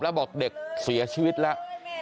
แล้วบอกเด็กเสียชีวิตแล้ว